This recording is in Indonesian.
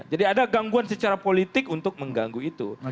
jadi ada gangguan secara politik untuk mengganggu itu